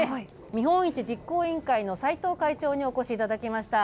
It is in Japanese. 見本市実行委員会の齋藤会長にお越しいただきました。